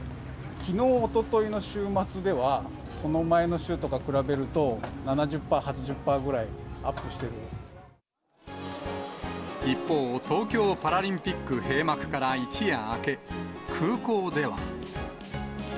きのう、おとといの週末では、その前の週とか比べると、７０パー、８０パーぐらいアップしてい一方、東京パラリンピック閉幕から一夜明け、空港では。